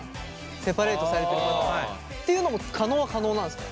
セパレートされてるパターンっていうのも可能は可能なんですか？